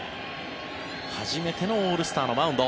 初めてのオールスターのマウンド。